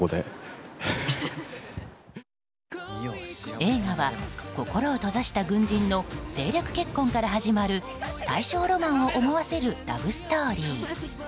映画は心を閉ざした軍人の政略結婚から始まる大正ロマンを思わせるラブストーリー。